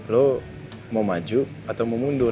lo mau maju atau mau mundur